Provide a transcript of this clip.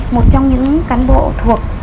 một trong những cán bộ thuộc